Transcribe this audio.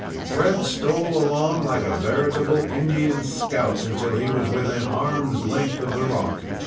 Fred stole along like a veritable Indian scout, until he was within arms' length of the rock.